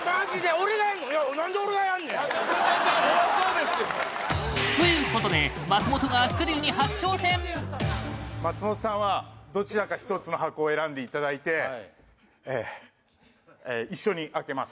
お願いしますということで松本がスリルに初挑戦松本さんはどちらか１つの箱を選んでいただいてえ一緒に開けます